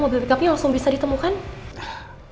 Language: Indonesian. mobil pickupnya langsung bisa ditemukan